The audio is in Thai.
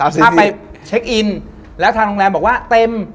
ถ้าไปเช็คอินแล้วทางโรงแรมบอกว่าเต็ม